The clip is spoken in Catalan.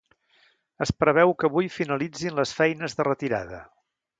Es preveu que avui finalitzin les feines de retirada.